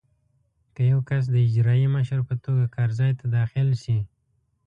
که یو کس د اجرایي مشر په توګه کار ځای ته داخل شي.